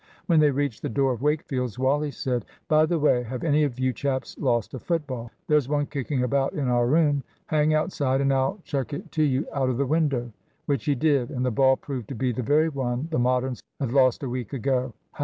When they reached the door of Wakefield's, Wally said, "By the way, have any of you chaps lost a football? There's one kicking about in our room. Hang outside and I'll chuck it to you out of the window." Which he did. And the ball proved to be the very one the Moderns had lost a week ago!